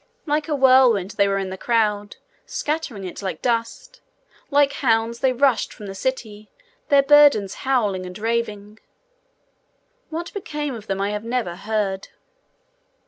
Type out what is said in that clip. Like a whirlwind they were in the crowd, scattering it like dust. Like hounds they rushed from the city, their burdens howling and raving. What became of them I have never heard.